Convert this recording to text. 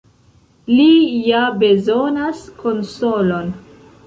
Li ja bezonas konsolon.